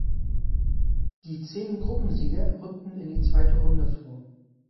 Die zehn Gruppensieger rückten in die zweite Runde vor.